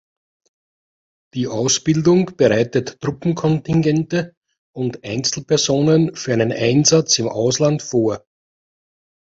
Die Ausbildung bereitet Truppenkontingente und Einzelpersonen für einen Einsatz im Ausland vor.